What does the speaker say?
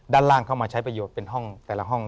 ด้านล่างเข้ามาใช้ประโยชน์เป็นห้องแต่ละห้อง